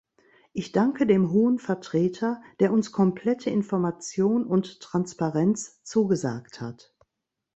Ich danke dem Hohen Vertreter, der uns komplette Information und Transparenz zugesagt hat.